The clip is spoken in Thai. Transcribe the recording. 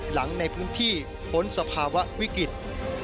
หลังในพื้นที่พ้นสภาวะวิกฤต